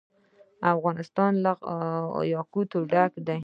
افغانستان له یاقوت ډک دی.